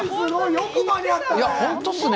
よく間に合ったね。